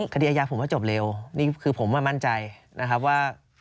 คดีอาญาผมว่าจบเร็วนี่คือผมมามั่นใจนะครับว่า